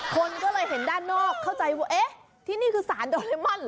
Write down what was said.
คนก็เลยเห็นด้านนอกเข้าใจว่าเอ๊ะที่นี่คือสารโดเรมอนเหรอ